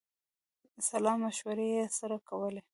سلامشورې یې سره کولې.